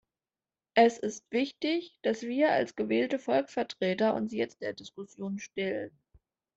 Es ist wichtig, dass wir als gewählte Volksvertreter uns jetzt der Diskussion stellen.